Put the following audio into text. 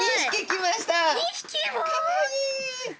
きました。